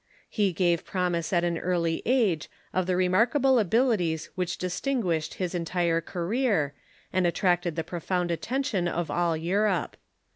He gave promise at an early age of the remarkable abilities which distinguished his en tire career, and attracted the profound attention of all Europe.